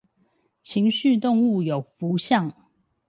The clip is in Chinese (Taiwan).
情緒動物有福相